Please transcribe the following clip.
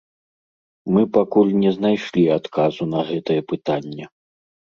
Мы пакуль не знайшлі адказу на гэтае пытанне.